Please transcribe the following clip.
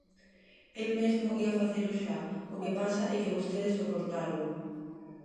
El mesmo ía facelo xa, o que pasa é que vostedes o cortaron.